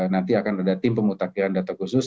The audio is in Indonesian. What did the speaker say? nanti akan ada tim pemutakhiran data khusus